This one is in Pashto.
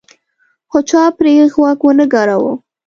خو چا پرې غوږ ونه ګراوه.